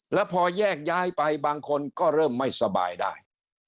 แล้วพอแยกย้ายไปบางคนก็เริ่มไม่สบายได้